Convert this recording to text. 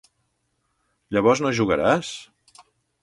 Llavors no jugaràs?